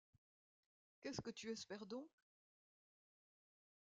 Qu’est-ce que tu espères donc?